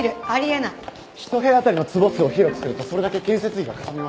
一部屋当たりの坪数を広くするとそれだけ建設費がかさみます。